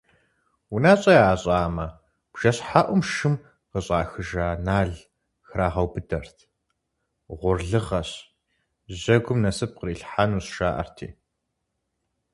УнэщӀэ ящӀамэ, бжэщхьэӀум шым къыщӀахыжа нал храгъэубыдэрт, угъурлыгъэщ, жьэгум насып кърилъхьэнущ жаӀэрти.